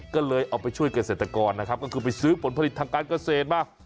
ก็เลยเอาไปช่วยเกษตรกรนะครับก็คือไปซื้อผลผลิตทางการเกษตรมา